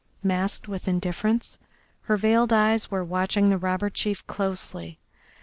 Masked with indifference her veiled eyes were watching the robber chief closely.